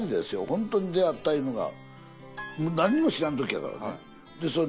ほんとに出会ったいうのが何にも知らん時やからね。